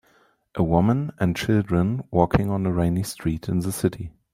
A woman an children walking on a rainy street in the city